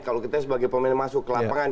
kalau kita sebagai pemain masuk ke lapangan